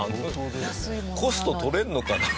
コスト取れるのかな？